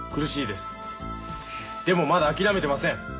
でもまだ諦めてません。